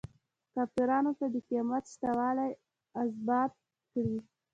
کافرانو ته د قیامت شته والی ازبات کړي.